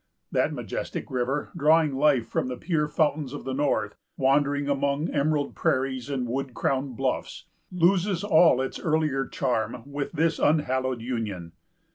That majestic river, drawing life from the pure fountains of the north, wandering among emerald prairies and wood crowned bluffs, loses all its earlier charm with this unhallowed union.